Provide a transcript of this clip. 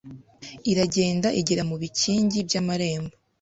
iragenda igera mu bikingi by'amarembo